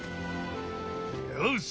よし！